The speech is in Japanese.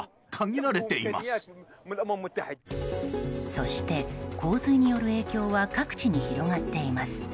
そして、洪水による影響は各地に広がっています。